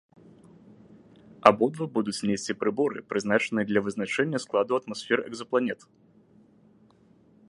Абодва будуць несці прыборы, прызначаныя для вызначэння складу атмасфер экзапланет.